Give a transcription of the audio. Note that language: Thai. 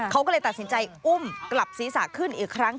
เขาก็เลยตัดสินใจอุ้มกลับศีรษะขึ้นอีกครั้ง